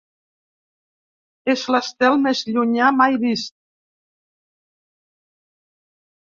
És l’estel més llunyà mai vist.